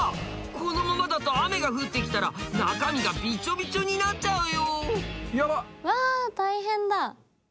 このままだと雨が降ってきたら中身がビチョビチョになっちゃうよ。